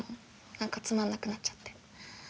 何かつまんなくなっちゃって。